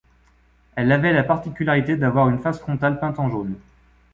Elle avait la particularité d'avoir une face frontale peinte en jaune.